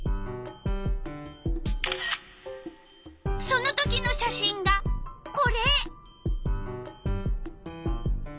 そのときの写真がこれ！